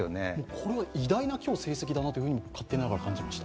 今日のは偉大な成績だなと勝手ながら感じました。